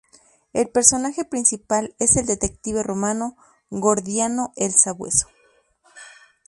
El personaje principal es el detective romano Gordiano el Sabueso.